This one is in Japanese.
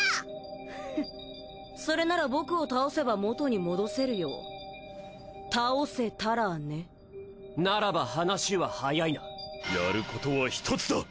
ふふそれなら僕を倒せば元に戻せるよ倒せたらねならば話ははやいなやることは１つだ